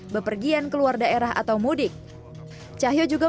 ketika kemarin beberapa pemerintah di kota selatan jawa tenggara dan jawa barat